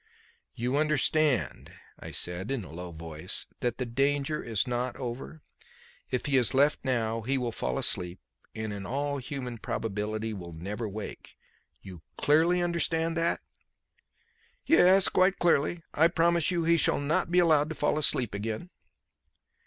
"You understand," I said in a low voice, "that the danger is not over? If he is left now he will fall asleep, and in all human probability will never wake. You clearly understand that?" "Yes, quite clearly. I promise you he shall not be allowed to fall asleep again."